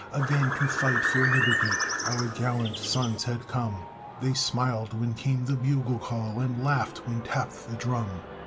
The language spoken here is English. Again to fight for liberty Our gallant sons had come, They smiled when came the bugle call, And laughed when tapped the drum.